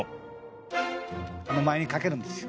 手前にかけるんですよ。